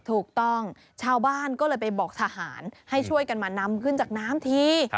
ถูกต้องชาวบ้านก็เลยไปบอกทหารให้ช่วยกันมานำขึ้นจากน้ำที